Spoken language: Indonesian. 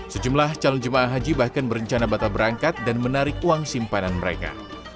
sejumlah calon jemaah haji bahkan berencana batal berangkat dan menarik uang simpanan mereka